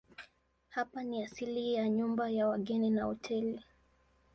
Hapa ni asili ya nyumba ya wageni na hoteli.